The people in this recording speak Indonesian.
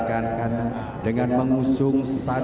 gue gak jauh sih